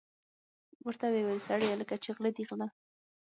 ورته ویې ویل: سړیه لکه چې غله دي غله.